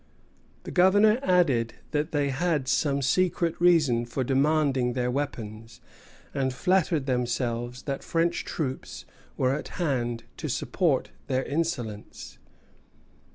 The Governor added that they had some secret reason for demanding their weapons, and flattered themselves that French troops were at hand to support their insolence.